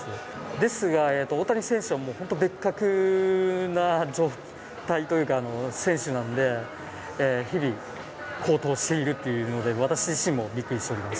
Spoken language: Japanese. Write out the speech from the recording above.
ですが、大谷選手はもう本当に別格な状態というか、選手なんで、日々高騰しているっていうので、私自身もびっくりしております。